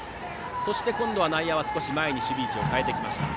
そして今度は内野は前に守備位置を変えてきました。